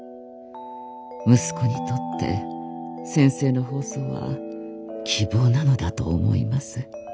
息子にとって先生の放送は希望なのだと思います」。